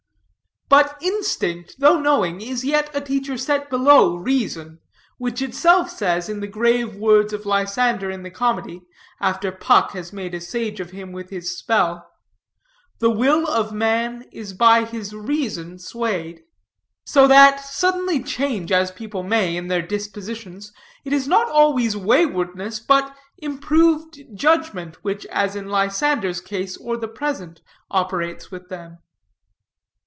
But instinct, though knowing, is yet a teacher set below reason, which itself says, in the grave words of Lysander in the comedy, after Puck has made a sage of him with his spell: "The will of man is by his reason swayed." So that, suddenly change as people may, in their dispositions, it is not always waywardness, but improved judgment, which, as in Lysander's case, or the present, operates with them.